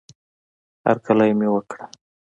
هرکلی مې وکړه